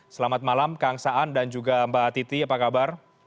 selamat malam kang saan dan juga mbak titi apa kabar